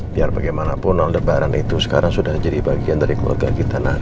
biar bagaimanapun aldebaran itu sekarang sudah jadi bagian dari keluarga kita nanti